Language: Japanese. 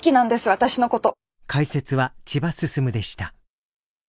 私のこと。